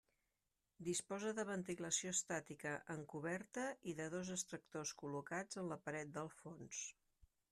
Disposa de ventilació estàtica en coberta i de dos extractors col·locats en la paret del fons.